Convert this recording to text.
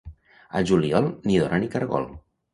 Al juliol ni dona ni cargol!